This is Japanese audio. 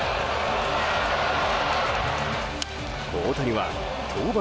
大谷は登板